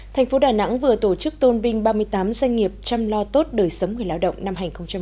thành phố đà nẵng vừa tổ chức tôn vinh ba mươi tám doanh nghiệp chăm lo tốt đời sống người lao động năm hai nghìn một mươi chín